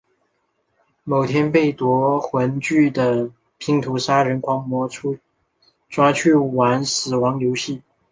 某天被夺魂锯的拼图杀人魔抓去玩死亡游戏。